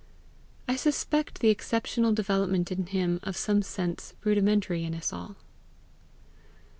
I suspect the exceptional development in him of some sense rudimentary in us all.